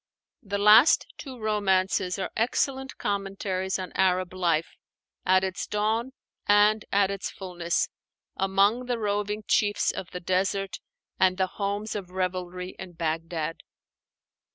The last two romances are excellent commentaries on Arab life, at its dawn and at its fullness, among the roving chiefs of the desert and the homes of revelry in Bagdad.